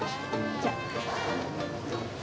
じゃあ。